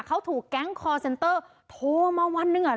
เขาถูกแก๊งคอร์เซ็นเตอร์โทรมาวันหนึ่งอ่ะ